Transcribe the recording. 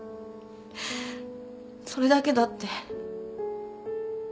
それだけだって。